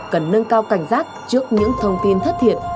cần nâng cao cảnh giác trước những thông tin thất thiệt